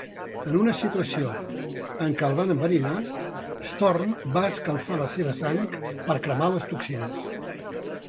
En una situació en que el van enverinar, Storm va escalfar la seva sang per cremar les toxines.